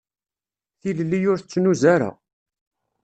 Tilelli ur tettnuz ara.